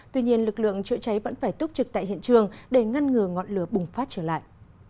tuy nhiên lực lượng chữa cháy vẫn phải túc trực tại hiện trường để ngăn ngừa ngọn lửa bùng phát trở lại